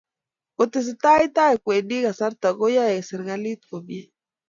Kotesetai tai kowendi kasarta koyaei serkalit komie